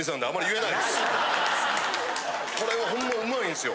これはホンマうまいんですよ。